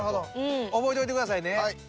覚えといてくださいね。